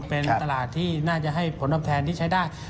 เป็นตลาดที่น่าจะให้ผลตอบแทนที่ใช้ได้